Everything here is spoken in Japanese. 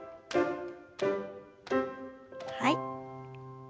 はい。